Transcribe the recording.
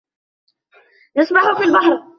نسبح في البحر.